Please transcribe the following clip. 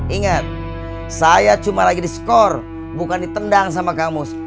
ingat saya cuma lagi diskor bukan ditendang sama kang mus